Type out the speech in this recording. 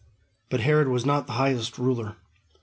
But Herod was not the highest ruler.